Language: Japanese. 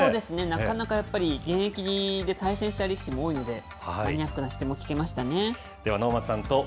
そうですね、なかなか、現役で対戦した力士も多いので、マニアックな視点も聞けましたね。